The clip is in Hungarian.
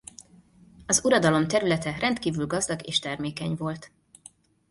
Az uradalom területe rendkívül gazdag és termékeny volt.